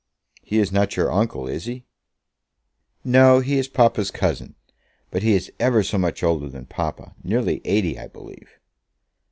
"He is not your uncle, is he?" "No; he is papa's cousin; but he is ever so much older than papa; nearly eighty, I believe."